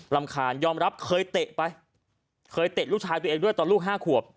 คาญยอมรับเคยเตะไปเคยเตะลูกชายตัวเองด้วยตอนลูก๕ขวบ